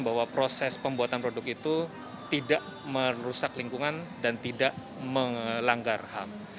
bahwa proses pembuatan produk itu tidak merusak lingkungan dan tidak melanggar ham